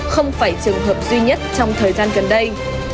không phải trường hợp duy nhất trong thời gian gần đây